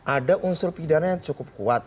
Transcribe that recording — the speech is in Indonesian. ada unsur pidana yang cukup kuat